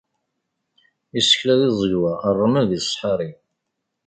Isekla di tẓegwa ṛṛmel di ṣṣḥari.